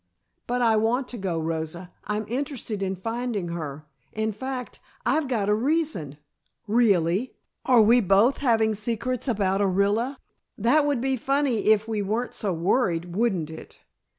"But I want to go, Rosa. I'm interested in finding her. In fact, I've got a reason " "Really! Are we both having secrets about Orilla? That would be funny if we weren't so worried, wouldn't it?